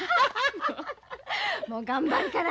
もう頑張るから。